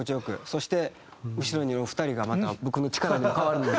そして後ろにいるお二人がまた僕の力に変わるので。